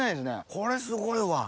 これすごいわ。